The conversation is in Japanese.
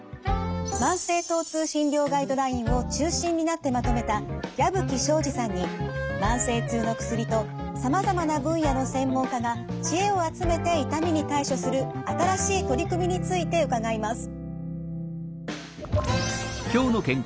慢性疼痛診療ガイドラインを中心になってまとめた矢吹省司さんに慢性痛の薬とさまざまな分野の専門家が知恵を集めて痛みに対処する新しい取り組みについて伺います。